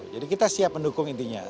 jadi kita siap mendukung intinya